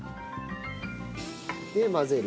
で混ぜる。